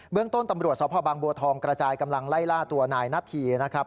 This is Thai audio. เรื่องต้นตำรวจสพบางบัวทองกระจายกำลังไล่ล่าตัวนายนาธีนะครับ